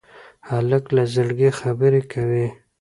هلک له زړګي خبرې کوي.